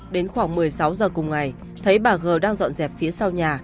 đến khoảng một mươi sáu giờ cùng ngày thấy bà g đang dọn dẹp phía sau nhà